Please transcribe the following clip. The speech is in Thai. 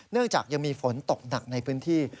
จากยังมีฝนตกหนักในพื้นที่